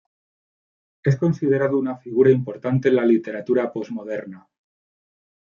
Es considerado una figura importante en la literatura posmoderna.